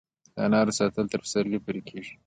د انارو ساتل تر پسرلي پورې کیږي؟